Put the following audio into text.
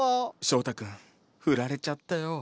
翔太君ふられちゃったよ。